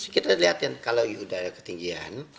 kita lihatin kalau sudah ada ketinggian